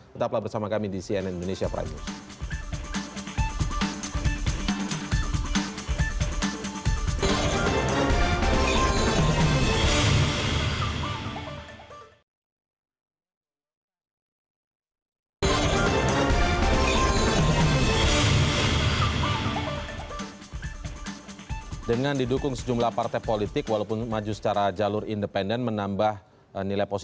tetaplah bersama kami di cnn indonesia prime news